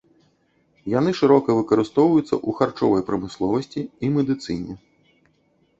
Яны шырока выкарыстоўваюцца ў харчовай прамысловасці і медыцыне.